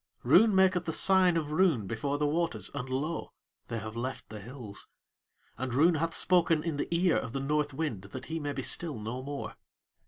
Roon maketh the sign of Roon before the waters, and lo! they have left the hills; and Roon hath spoken in the ear of the North Wind that he may be still no more.